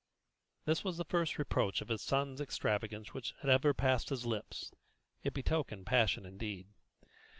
(This was the first reproach of his son's extravagance which had ever passed his lips; it betokened passion indeed.)